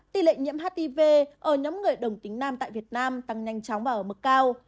tỷ lệ nhiễm hiv ở nhóm người đồng tính nam tại việt nam tăng nhanh chóng và ở mức cao